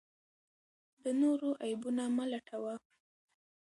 د نورو عیبونه مه لټوه.